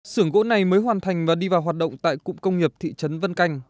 sưởng gỗ này mới hoàn thành và đi vào hoạt động tại cụm công nghiệp thị trấn vân canh